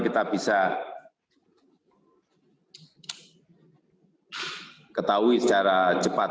kita bisa ketahui secara cepat